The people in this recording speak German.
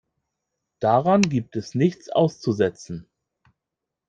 Daran gibt es nichts auszusetzen.